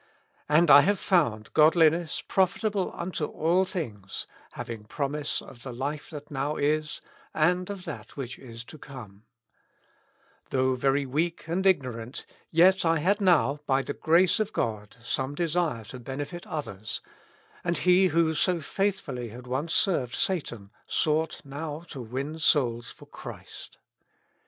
And I have found ' godliness profit able unto all things, having promise of the life that now is, and of that which is to come ' Though very weak and ignorant, yet I had now, by the grace of God, some desire to benefit others, and he who so faithfully had once served Satan, sought now to win souls for Christ."